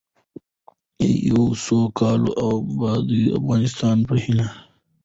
د یوه سوکاله او باادبه افغانستان په هیله.